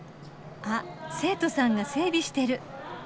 あ生徒さんが整備してる。